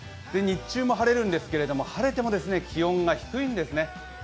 日中も晴れるんですけど晴れても気温が低いんですね。